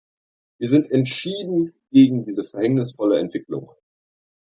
Wir sind entschieden gegen diese verhängnisvolle Entwicklung.